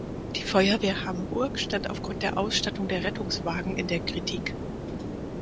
Die Feuerwehr Hamburg stand aufgrund der Ausstattung der Rettungswagen in der Kritik.